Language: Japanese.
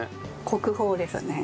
国宝ですね。